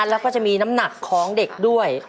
แล้วก็จะมีน้ำหนักของเด็กด้วย